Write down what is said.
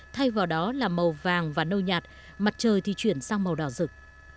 thay vào đó là màu vàng và nâu nhạt mặt trời thì chuyển sang màu đỏ rực